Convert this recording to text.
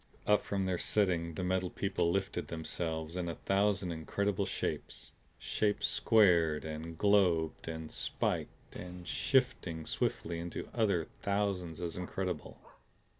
Up from their setting the Metal People lifted themselves in a thousand incredible shapes, shapes squared and globed and spiked and shifting swiftly into other thousands as incredible.